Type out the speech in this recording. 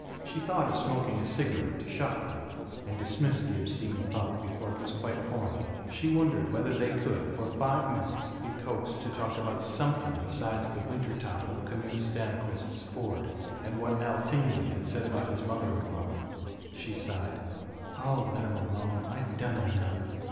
She thought of smoking a cigarette, to shock them, and dismissed the obscene thought before it was quite formed. She wondered whether they could for five minutes be coaxed to talk about something besides the winter top of Knute Stamquist's Ford, and what Al Tingley had said about his mother in law. She sighed, "Oh, let 'em alone. I've done enough."